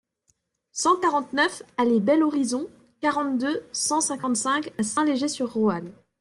cent quarante-neuf allée Bel Horizon, quarante-deux, cent cinquante-cinq à Saint-Léger-sur-Roanne